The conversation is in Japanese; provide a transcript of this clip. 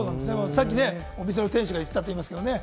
さっき、お店の店主が言ってたって言いましたけどね、